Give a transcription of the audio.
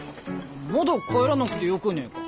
まだ帰らなくてよくねえか？